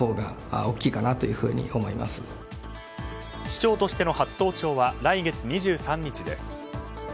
市長としての初登庁は来月２３日です。